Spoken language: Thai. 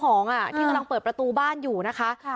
มาที่เติบประตูบ้านอยู่นะคะค่ะ